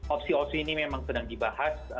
opsi opsi ini memang sedang dibahas